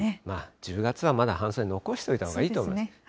１０月はまだ半袖残しておいたほうがいいと思います。